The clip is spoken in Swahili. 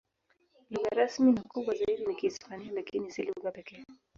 Lugha rasmi na kubwa zaidi ni Kihispania, lakini si lugha pekee.